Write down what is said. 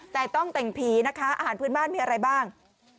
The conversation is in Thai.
แต่ต้องแต่งผีนะคะอาหารพื้นบ้านมีอะไรบ้าง